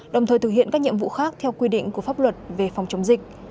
đồng thời thực hiện các nhiệm vụ khác theo quy định của pháp luật về phòng chống dịch